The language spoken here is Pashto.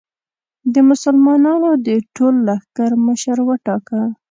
د مسلمانانو د ټول لښکر مشر وټاکه.